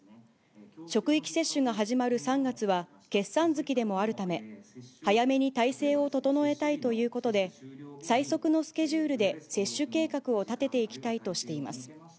職域接種が始まる３月は決算月でもあるため、早めに体制を整えたいということで、最速のスケジュールで接種計画を立てていきたいとしています。